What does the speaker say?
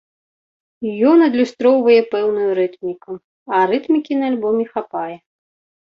Ён адлюстроўвае пэўную рытміку, а рытмікі на альбоме хапае.